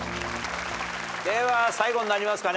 では最後になりますかね。